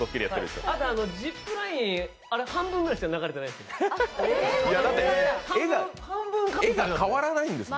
あとジップライン、あれ、半分くらいしか流れてないです。